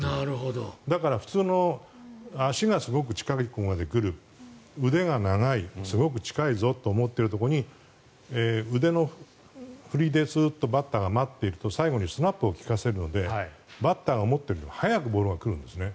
だから、普通の足がすごく近くまで来る腕が長い、すごく近いぞと思っているところに腕の振りでスーッとバッターが待っていると最後にスナップを利かせるのでバッターが思ってるより早くボールが来るんですね。